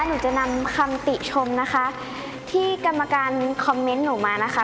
หนูจะนำคำติชมการลำบากมา